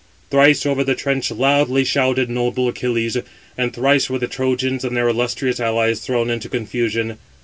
Thrice over the trench loudly shouted noble Achilles, and thrice were the Trojans and their illustrious allies thrown into confusion.